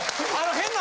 変な！